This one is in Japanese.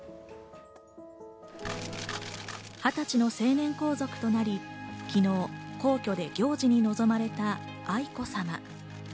２０歳の成年皇族となり、昨日、皇居で行事に臨まれた愛子さま。